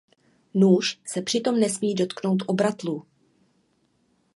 Nůž se přitom nesmí dotknout obratlů.